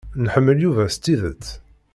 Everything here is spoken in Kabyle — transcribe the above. Nḥemmel Yuba s tidet.